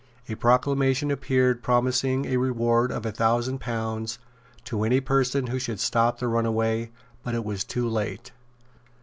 A proclamation appeared promising a reward of a thousand pounds to any person who should stop the runaway; but it was too late.